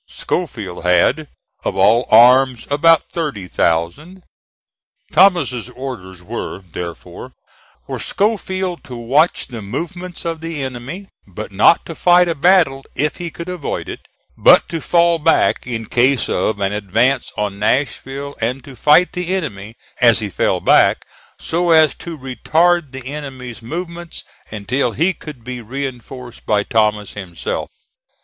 Schofield had, of all arms, about thirty thousand. Thomas's orders were, therefore, for Schofield to watch the movements of the enemy, but not to fight a battle if he could avoid it; but to fall back in case of an advance on Nashville, and to fight the enemy, as he fell back, so as to retard the enemy's movements until he could be reinforced by Thomas himself.